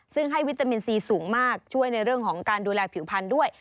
ซึ่งให้วิตามินซีสูงมากช่วยในเรื่องของการดูแลผิวพันธุ์ด้วย